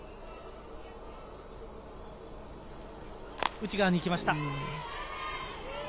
内側にいきました。